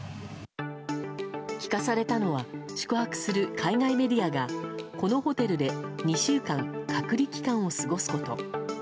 聞かされたのは宿泊する海外メディアがこのホテルで２週間、隔離期間を過ごすこと。